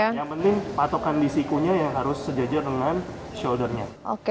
yang penting patokan di sikunya yang harus sejajar dengan shoulder nya